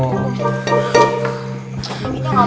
ini gak mau